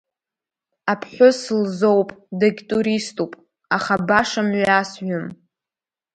Аԥҳәыс лзоуп, дагьтуриступ, аха баша мҩасҩым.